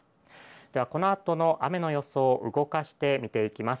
では、このあとの雨の予想を動かして見ていきます。